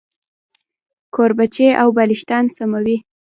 کوربچې او بالښتان سموي.